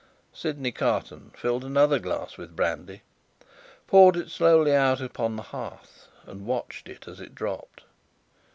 Sydney Carton filled another glass with brandy, poured it slowly out upon the hearth, and watched it as it dropped.